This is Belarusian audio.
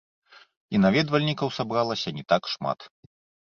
І наведвальнікаў сабралася не так шмат.